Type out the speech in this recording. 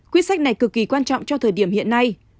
quyết sách này cực kỳ quan trọng cho thời điểm hiện nay